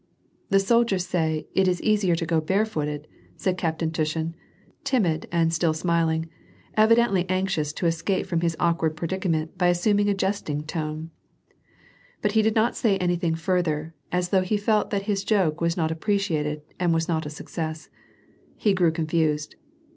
"The soldiers say :' it's easier to go barefooted,' " said Cap tain Tushin, timid and still smiling, evidently anxious to escape from his awkward predicament by assuming a jesting tone : but he did not say anything further, as though he felt that his joke was not appreciated and was not a success. He grew confused.